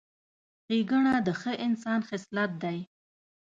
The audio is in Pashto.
ښېګڼه د ښه انسان خصلت دی.